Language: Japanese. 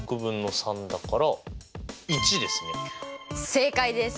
正解です！